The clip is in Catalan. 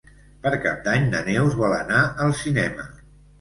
Per Cap d'Any na Neus vol anar al cinema.